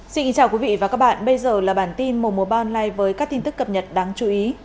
xin chào quý vị và các bạn bây giờ là bản tin mùa mùa ban nay với các tin tức cập nhật đáng chú ý